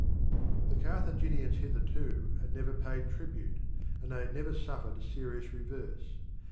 The Carthaginians hitherto had never paid tribute, and they had never suffered a serious reverse.